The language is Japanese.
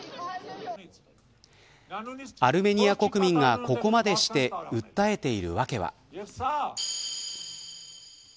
アルメニア国民がここまでして訴えている訳は。